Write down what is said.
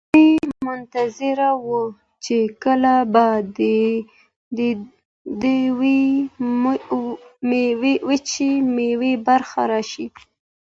دوی منتظر وو چې کله به د وچې میوې برخه راشي.